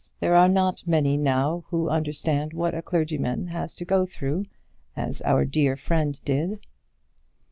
There are not many now who understand what a clergyman has to go through, as our dear friend did."